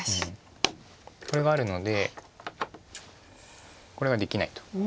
これがあるのでこれができないと。